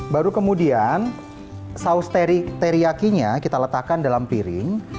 baru kemudian saus teriyakinya kita letakkan dalam piring